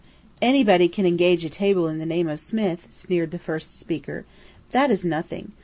"Anybody can engage a table in the name of Smith!" sneered the first speaker. "That is nothing.